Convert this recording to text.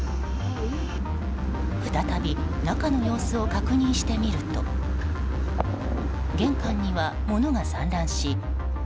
再び中の様子を確認してみると玄関には物が散乱し